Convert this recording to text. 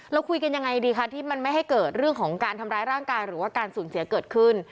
เราคุยกันยังไงดีคะที่มันไม่ให้เกิดเรื่องของการทำร้ายร่างกายหรือว่าการสูญเสียเกิดขึ้น